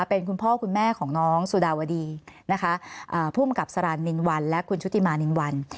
เป็นคุณพ่อคุณแม่ของน้องสุดาวดีนะคะภูมิกับสรานนินวันและคุณชุติมานินวัน